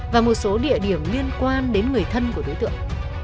và một số địa điểm liên quan đến người thân của đối tượng